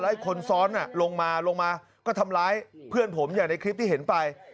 ไอ้คนซ้อนลงมาลงมาก็ทำร้ายเพื่อนผมอย่างในคลิปที่เห็นไป